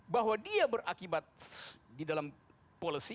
bahwa dia berakibat di dalam policy